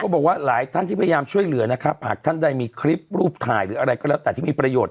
บอกว่าหลายท่านที่พยายามช่วยเหลือนะครับหากท่านใดมีคลิปรูปถ่ายหรืออะไรก็แล้วแต่ที่มีประโยชน